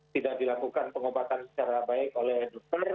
tidak dilakukan pengobatan secara baik oleh dokter